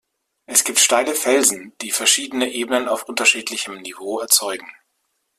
Es gibt steile Felsen, die verschiedene Ebenen auf unterschiedlichem Niveau erzeugen.